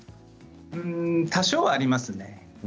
多少ありますね。